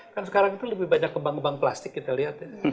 kan sekarang itu lebih banyak kembang kembang plastik kita lihat ya